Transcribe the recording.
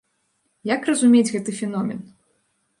Як разумець гэты феномен?